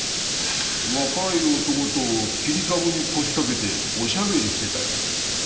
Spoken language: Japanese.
若い男と切り株に腰掛けておしゃべりしてたよ。